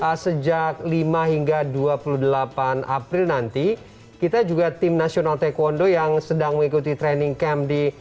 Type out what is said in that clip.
nah sejak lima hingga dua puluh delapan april nanti kita juga tim nasional taekwondo yang sedang mengikuti training camp di